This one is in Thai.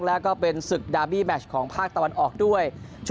แล้วก็เป็นศึกดาบี้แมชของภาคตะวันออกด้วย